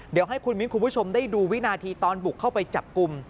เดี๋ยวให้คุณมิ้นคุณผู้ชมได้ดูวินาทีตอนบุกเข้าไปจับกลุ่ม